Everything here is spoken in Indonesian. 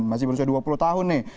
masih berusia dua puluh tahun nih